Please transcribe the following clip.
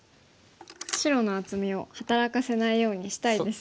白の厚みを働かせないようにしたいですね。